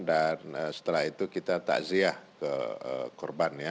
dan setelah itu kita takziah ke korbannya